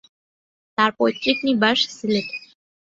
তাঁর পৈতৃক নিবাস সিলেটে।